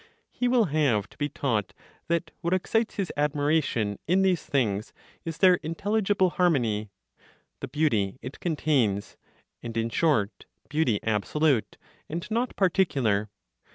He will have to be taught that what excites his admiration in these things, is their intelligible harmony, the beauty it contains, and, in short, beauty absolute, and not particular.